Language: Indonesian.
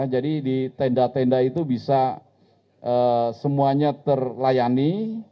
jadi di tenda tenda itu bisa semuanya terlayani